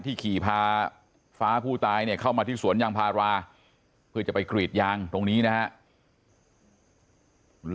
ขี่พาฟ้าผู้ตายเนี่ยเข้ามาที่สวนยางพาราเพื่อจะไปกรีดยางตรงนี้นะครับ